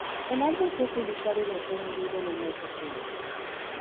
El álbum fue publicado y lanzado en vivo en el mes de junio.